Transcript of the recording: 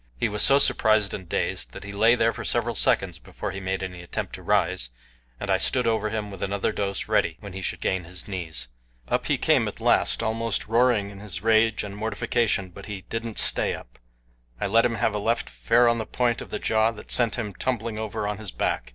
He was so surprised and dazed that he lay there for several seconds before he made any attempt to rise, and I stood over him with another dose ready when he should gain his knees. Up he came at last, almost roaring in his rage and mortification; but he didn't stay up I let him have a left fair on the point of the jaw that sent him tumbling over on his back.